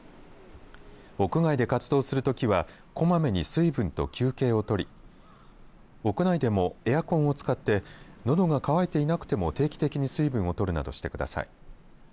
屋外で活動するときはこまめに水分と休憩を取り屋内でもエアコンを使ってのどが渇いていなくても定期的に水分を取るなどしてください。